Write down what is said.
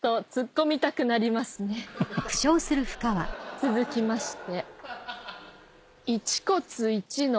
「続きまして」